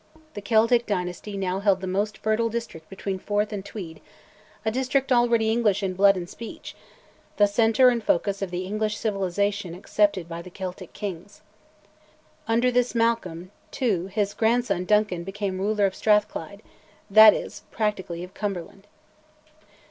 The Celtic dynasty now held the most fertile district between Forth and Tweed, a district already English in blood and speech, the centre and focus of the English civilisation accepted by the Celtic kings. Under this Malcolm, too, his grandson, Duncan, became ruler of Strathclyde that is, practically, of Cumberland.